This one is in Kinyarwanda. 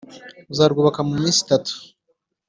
uzarwubaka mu minsi itatu